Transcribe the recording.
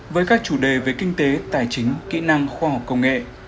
với các chủ đề về kinh tế tài chính kỹ năng khoa học công nghệ